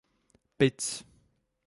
Pic